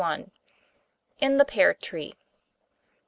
IN THE PEAR TREE.